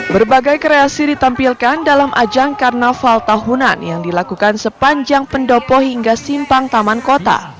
berbagai kreasi ditampilkan dalam ajang karnaval tahunan yang dilakukan sepanjang pendopo hingga simpang taman kota